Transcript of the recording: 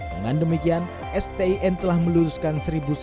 dengan demikian stin telah meluluskan seribu seratus